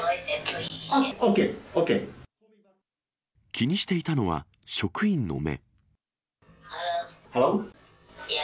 気にしていたのは職員の目。